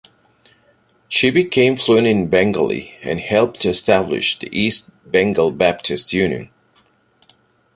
She became fluent in Bengali and helped establish the East Bengal Baptist Union.